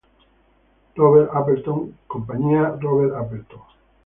Robert Appleton Company.